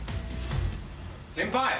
先輩！